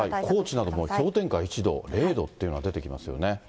高知なども氷点下１度、０度っていうのが出てきますよね。